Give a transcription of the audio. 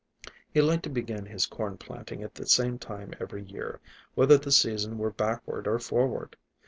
He liked to begin his corn planting at the same time every year, whether the season were backward or forward.